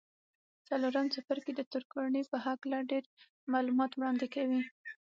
څلورم څپرکی د ترکاڼۍ په هکله ډېر معلومات وړاندې کوي.